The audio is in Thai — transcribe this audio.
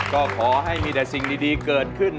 ก็ขอให้มีแต่สิ่งดีเกิดขึ้น